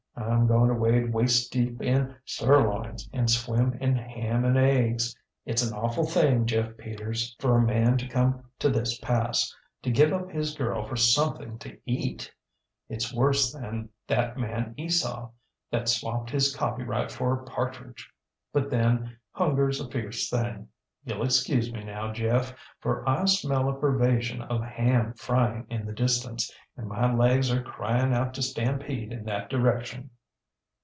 IŌĆÖm going to wade waist deep in sirloins and swim in ham and eggs. ItŌĆÖs an awful thing, Jeff Peters, for a man to come to this passŌĆöto give up his girl for something to eatŌĆöitŌĆÖs worse than that man Esau, that swapped his copyright for a partridgeŌĆö but then, hungerŌĆÖs a fierce thing. YouŌĆÖll excuse me, now, Jeff, for I smell a pervasion of ham frying in the distance, and my legs are crying out to stampede in that direction.